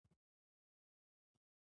خو درته ومې ویل چې پاڅه.